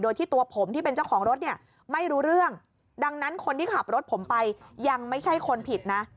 โดยที่ตัวผมที่เป็นเจ้าของรถเนี่ยไม่รู้เรื่องดังนั้นคนที่ขับรถผมไปยังไม่ใช่คนผิดนะ